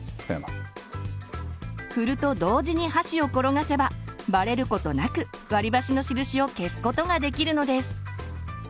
振ると同時に箸を転がせばバレることなく割り箸の印を消すことができるのです。